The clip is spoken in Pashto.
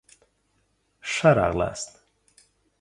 ښه راغلاست